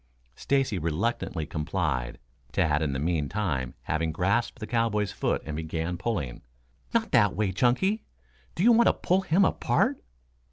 Stacy reluctantly complied, Tad in the meantime having grasped the cowboy's foot and began pulling. "Not that way, Chunky. Do you want to pull him apart?"